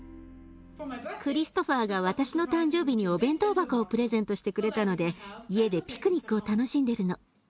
クリストファーが私の誕生日にお弁当箱をプレゼントしてくれたので家でピクニックを楽しんでるの。